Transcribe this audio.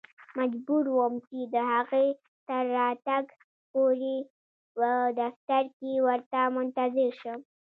مجبور وم چې د هغې تر راتګ پورې په دفتر کې ورته منتظر شم.